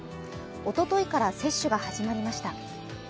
おとといから接種が始まりました。